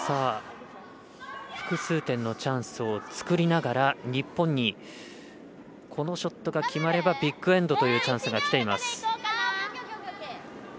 複数点のチャンスを作りながら日本にこのショットが決まればビッグエンドというチャンスがきています。